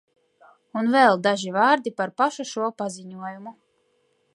Un vēl daži vārdi par pašu šo paziņojumu.